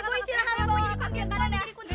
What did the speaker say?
gue jadi kunci lantai kali ya